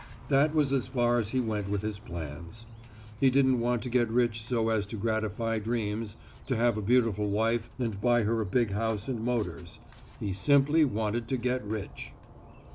That was as far as he went with his plans. He didn't want to get rich so as to gratify dreams, to have a beautiful wife and buy her a big house and motors. He simply wanted to get rich.